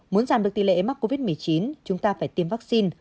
muốn giảm được tỷ lệ mắc covid một mươi chín chúng ta phải tiêm vaccine